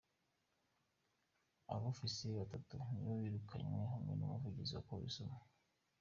Abofisiye batatu nibo birukanywe hamwe n’umuvugzi wa polisi umwe.